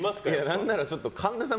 何なら神田さん